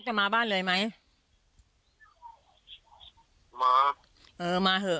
จะมาบ้านเลยไหมมาเออมาเถอะ